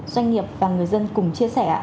doanh nghiệp và người dân cùng chia sẻ